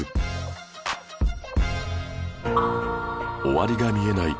終わりが見えない